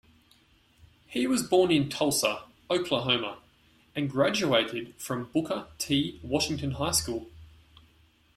He was born in Tulsa, Oklahoma and graduated from Booker T. Washington High School.